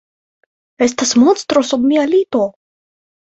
Estas monstro sub mia lito.